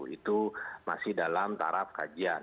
itu masih dalam taraf kajian